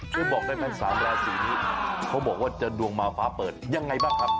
คือบอกได้เป็น๓แรกส่วนนี้เขาบอกว่าจะดวงมาฟ้าเปิดยังไงบ้างครับ